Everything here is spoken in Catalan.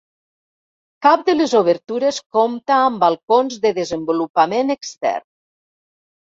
Cap de les obertures compta amb balcons de desenvolupament extern.